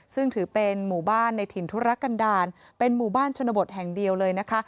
ซึ่งถือเป็นหมู่บ้านในถิ่นธุรกันดาลเป็นหมู่บ้านชนบทแห่งเดียวเลยนะคะ